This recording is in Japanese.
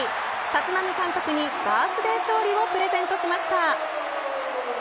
立浪監督にバースデー勝利をプレゼントしました。